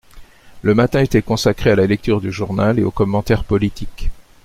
le matin était consacré à la lecture du journal et aux commentaires politiques.